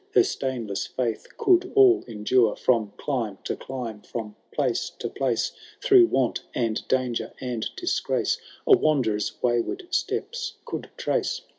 Her stainless fidth could all endure ; From dime to dime,^ — from place to places Through want, and danger, and disgrace, A wanderer*s wajrward steps could trace.